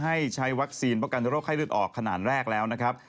ให้ใช้วัคซีนป้องกันโรคไข้เลือดออกขนาดแรกแล้วนะครับ